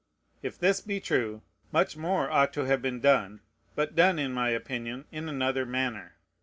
If this be true, much more ought to have been done, but done, in my opinion, in another manner.